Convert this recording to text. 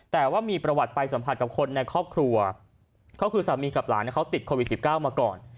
แต่ว่ามีประวัติไปสัมผัสกับคนในครอบครัวเขาคือสามีกับหลานเขาติดโควิด๑๙มาก่อน